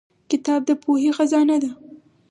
کتاب د پوهې خزانه ده